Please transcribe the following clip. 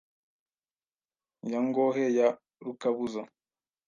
Ya Ngohe ya Rukabuza